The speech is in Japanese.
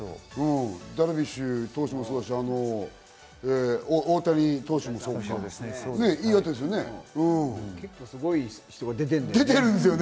ダルビッシュ投手もそうだし、大谷投手もそう、岩手ですよね。